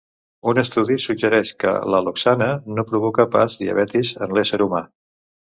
Un estudi suggereix que l'al·loxana no provoca pas diabetis en l'ésser humà.